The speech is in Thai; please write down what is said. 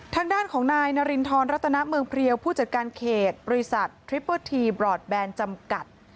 ทางด้านของนายนารินทรรัตนาเมืองเพลียวผู้จัดการเขตบริษัททริปเปอร์ทีบรอดแบนจำกัด